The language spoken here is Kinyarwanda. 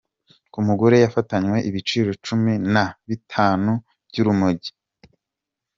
K Umugore yafatanywe ibiro Cumi Nabitanu by’urumogi